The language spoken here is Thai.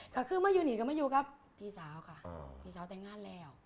ถ้าขึ้นมาอยู่หนีกันมาอยู่ครับพี่สาวค่ะพี่สาวแต่งงานแล้ว